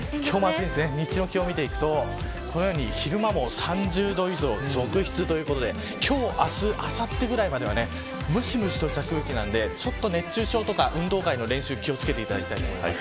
日中の気温を見ていくとこのように昼間も３０度以上続出ということで今日、明日、あさってぐらいまではむしむしとした空気なので熱中症や運動会の練習気を付けていただきたいです。